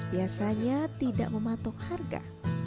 biasanya tidak mematok harga